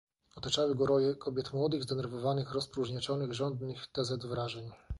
"Otaczały go roje kobiet młodych, zdenerwowanych, rozpróżniaczonych, żądnych t. z. wrażeń."